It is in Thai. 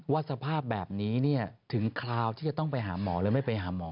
สภาพแบบนี้ถึงคราวที่จะต้องไปหาหมอหรือไม่ไปหาหมอ